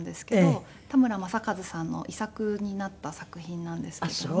田村正和さんの遺作になった作品なんですけども。